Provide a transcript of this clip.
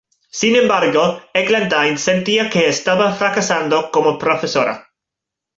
Sin embargo, Eglantyne sentía que estaba fracasando como profesora.